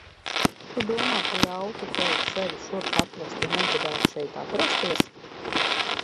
Tu domā, ka ļautu tev sevi šurp atvest, ja negribētu šeit atrasties?